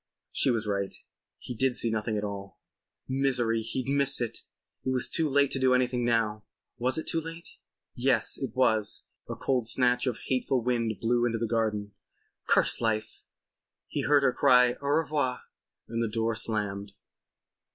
She was right. He did see nothing at all. Misery! He'd missed it. It was too late to do anything now. Was it too late? Yes, it was. A cold snatch of hateful wind blew into the garden. Curse life! He heard her cry "au revoir" and the door slammed.